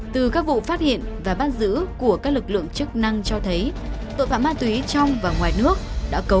từ các vụ phát hiện và bắt giữ của các lực lượng chức năng cho thấy tội phạm ma túy trong và ngoài nước đã đưa ra một bản thân